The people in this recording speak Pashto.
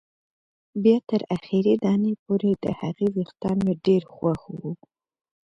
بیا تر اخري دانې پورې، د هغې وېښتان مې ډېر خوښ وو.